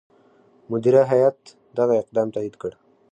مدیره هیات دغه اقدام تایید کړ.